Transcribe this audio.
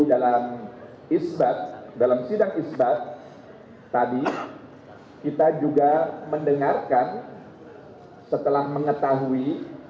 dalam isbat dalam sidang isbat tadi kita juga mendengarkan setelah mengetahui